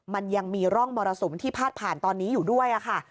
มันยังมีร่องมรสุมที่พาดผ่านตอนนี้อยู่ด้วยค่ะ